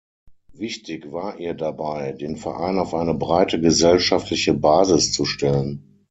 Wichtig war ihr dabei, den Verein auf eine breite gesellschaftliche Basis zu stellen.